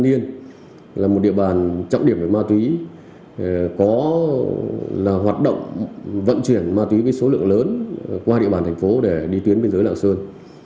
nguyễn văn hải là một địa bàn trọng điểm về ma túy có hoạt động vận chuyển ma túy với số lượng lớn qua địa bàn tp bắc giang để đi tuyến bên dưới lạng sơn